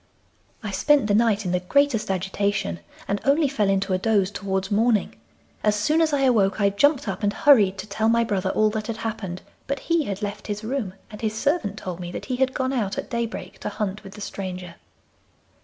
'I spent the night in the greatest agitation, and only fell into a doze towards morning. As soon as I awoke I jumped up, and hurried to tell my brother all that had happened, but he had left his room, and his servant told me that he had gone out at daybreak to hunt with the stranger.